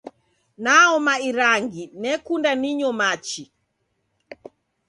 Naoma irangi nekunda ninyo machi